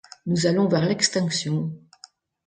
Nous allons vers l'extinction.